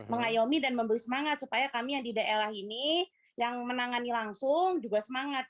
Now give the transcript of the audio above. mengayomi dan memberi semangat supaya kami yang di daerah ini yang menangani langsung juga semangat